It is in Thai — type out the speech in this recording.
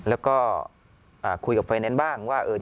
แล้วก็คุยกับไฟแนนซ์บ้างว่า